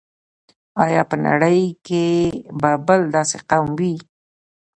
آیا په نړۍ کې به بل داسې قوم وي.